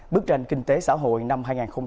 bước trên kinh tế xã hội năm hai nghìn hai mươi ba